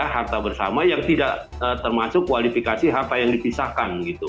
harta bersama yang tidak termasuk kualifikasi harta yang dipisahkan gitu